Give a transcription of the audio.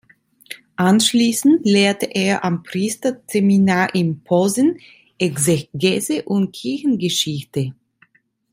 Anschließend lehrte er am Priesterseminar in Posen Exegese und Kirchengeschichte.